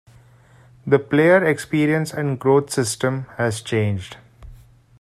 The "Player Experience and Growth System" has changed.